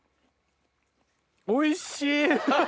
おいしい！